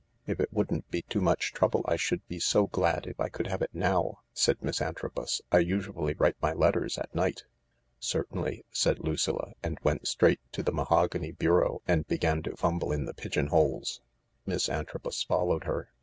If it wouldn't be too much trouble I should be so glad if I could have it now/ 9 said Miss Antrobus. " I usually write my letters at night." 14 Certainly," said Lucilla, and went straight to the mahog any bureau and began to fumble in the pigeon holes. Miss Antrobus followed her.